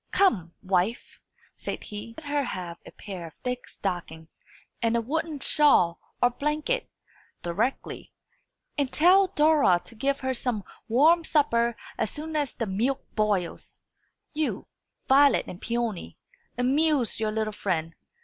"Come, wife," said he, "let her have a pair of thick stockings and a woollen shawl or blanket directly; and tell Dora to give her some warm supper as soon as the milk boils. You, Violet and Peony, amuse your little friend.